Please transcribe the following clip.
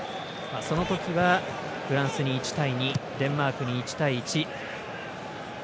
その時は、フランスに１対２デンマークに１対１。